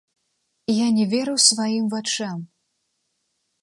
Я не веру сваім вачам.